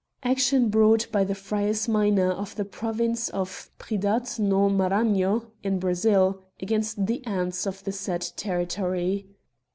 Action brought by the Friars Minor of the province of Pridade no Maranhao in Brazil, against the ants of the said territory.